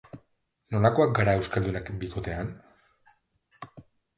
Nolakoak gara euskaldunak bikotean?